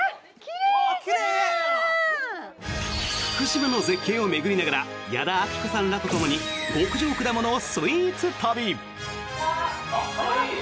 福島の絶景を巡りながら矢田亜希子さんらとともに極上果物スイーツ旅！